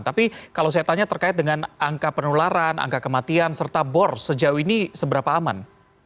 tapi kalau saya tanya terkait dengan angka penularan angka kematian serta bor sejauh ini seberapa aman